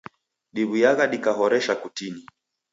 Diw'uyagha dikahoresha kutini.